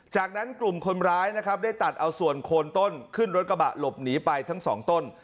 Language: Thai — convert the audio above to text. จากนั้นกลุ่มคนร้ายนะครับได้ตัดเอาส่วนโคนต้นขึ้นรถกระบะหลบหนีไปทั้งสองต้น